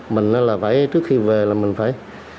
mình là phải trước khi về là mình phải